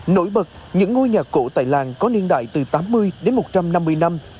nổi bật những ngôi nhà cổ tại làng có niên đại từ tám mươi đến một trăm năm mươi năm